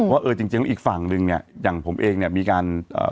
เพราะเออจริงจริงว่าอีกฝั่งนึงเนี้ยอย่างผมเองเนี้ยมีการเอ่อ